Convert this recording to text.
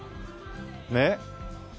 ねっ。